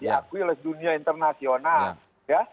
diakui oleh dunia internasional